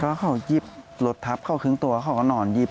ก็เขายิบรถทับเขาครึ่งตัวเขาก็นอนยิบ